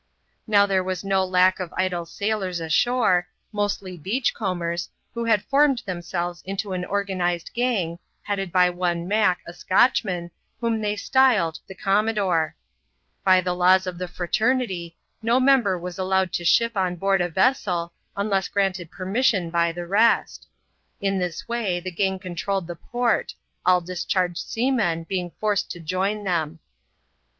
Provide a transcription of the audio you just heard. Now there was no lack of idle sailor^ ashore, mostly " Beach aombers^" who had formed themselves into an organised gang, headed by one Mack, a Scotchman, whom they styled the Gomr nodore. Bf the Jaws of the fraternity, no meiDDi\:tex ^«ia ^wi^ L s 150 ADVENTURES IN THE SOUTH SEAS. [chap, xxxtitt to ship on board a vessel, unless granted permission bj the rest In this way the gang controlled the port, all discharged seamen being forced to join them.